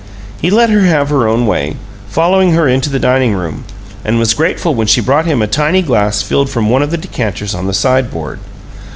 He let her have her own way, following her into the dining room, and was grateful when she brought him a tiny glass filled from one of the decanters on the sideboard.